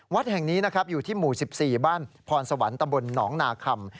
วัดแห่งนี้นะครับอยู่ที่หมู่๑๔บ้านพรสวรรค์ตำบลหนองนาคำ